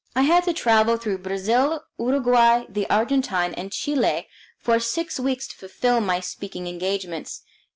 I had to travel through Brazil, Uruguay, the Argentine, and Chile for six weeks to fulfil my speaking engagements.